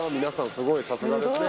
すごいさすがですね。